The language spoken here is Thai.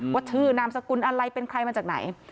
ว่าชื่อนามสกุลอะไรเป็นใครมาจากไหน